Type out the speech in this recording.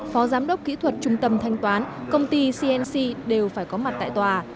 phó giám đốc kỹ thuật trung tâm thanh toán công ty cnc đều phải có mặt tại tòa